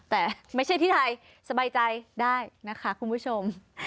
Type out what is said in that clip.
แต่ไม่ใช่ที่ไทยสบายใจได้นะคะคุณผู้ชม